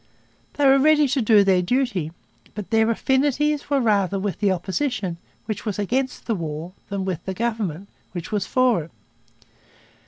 They were ready to do their duty. But their affinities were rather with the opposition, which was against the war, than with the government, which was for it.